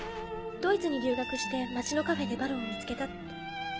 ドイツに留学して町のカフェでバロンを見つけたって。